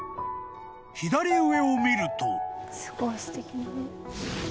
［左上を見ると］